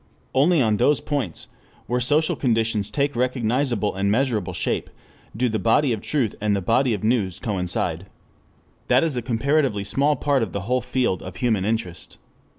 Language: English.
Only at those points, where social conditions take recognizable and measurable shape, do the body of truth and the body of news coincide. That is a comparatively small part of the whole field of human interest.